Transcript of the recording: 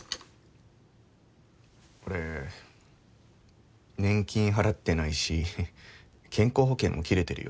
俺年金払ってないし健康保険も切れてるよ。